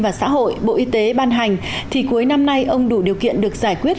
và xã hội bộ y tế ban hành thì cuối năm nay ông đủ điều kiện được giải quyết